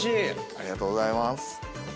ありがとうございます。